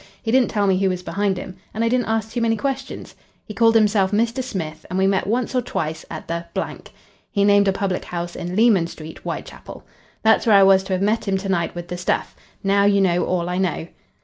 He didn't tell me who was behind him. And I didn't ask too many questions. He called himself Mr. Smith, and we met once or twice at the " He named a public house in Leman Street, Whitechapel. "That's where I was to have met him to night with the stuff. Now you know all I know."